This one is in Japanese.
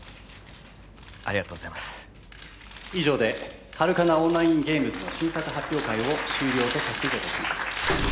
ありがとうございます以上でハルカナ・オンライン・ゲームズの新作発表会を終了とさせていただきます